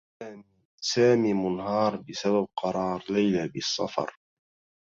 سامي منهار بسبب قرار ليلى بالسّفر.